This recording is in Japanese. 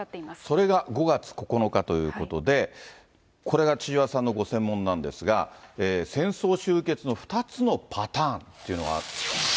それが５月９日ということで、これが千々和さんのご専門なんですが、戦争終結の２つのパターンっていうのがある。